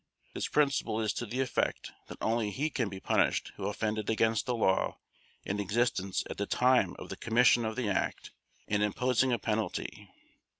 This principle is to the effect that only he can be punished who offended against a law in existence at the time of the commission of the act and imposing a penalty.